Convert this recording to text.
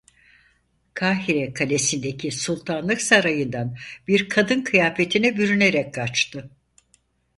Kahire kalesindeki Sultanlık sarayından bir kadın kıyafetine bürünerek kaçtı.